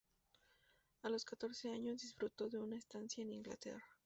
A los catorce años disfrutó de una estancia en Inglaterra.